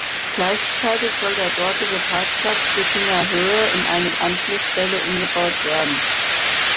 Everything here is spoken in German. Gleichzeitig soll der dortige Parkplatz "Sickinger Höhe" in eine Anschlussstelle umgebaut werden.